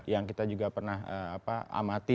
yang kita juga pernah amati